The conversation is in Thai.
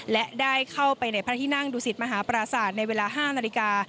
และได้เข้าไปในพระที่นั่งดูสิตมหาปราศาสตร์ในเวลา๕นาฬิกา